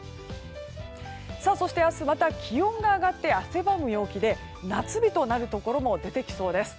そして明日、また気温が上がって汗ばむ陽気で夏日となるところも出てきそうです。